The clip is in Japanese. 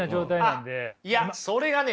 いやそれがね